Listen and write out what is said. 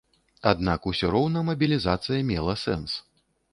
Аднак усё роўна мабілізацыя мела сэнс.